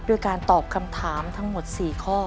ด้วยการตอบคำถามทั้งหมด๔ข้อ